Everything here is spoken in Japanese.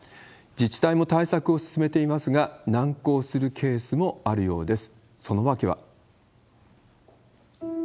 自治体も対策を進めていますが、難航するケースもあるようです。